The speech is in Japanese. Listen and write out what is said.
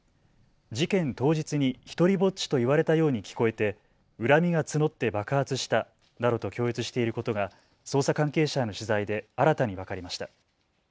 事件当日に独りぼっちと言われたように聞こえて恨みが募って爆発したなどと供述していることが捜査関係者への取材で新たに分かりました。